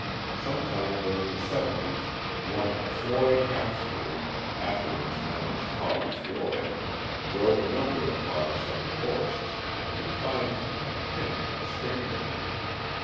Sometime during the seventies one Floyd Hatfield, afterwards known as "Hog" Floyd, drove a number of hogs from the forests and confined them in a pen at Stringtown.